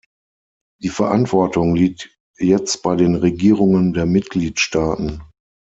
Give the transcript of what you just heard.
Die Verantwortung liegt jetzt bei den Regierungen der Mitgliedstaaten.